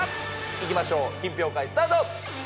いきましょう品評会スタート！